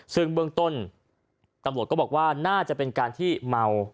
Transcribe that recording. ซึ่งเบื้องต้นตำรวจก็บอกว่าน่าจะเป็นการที่เมา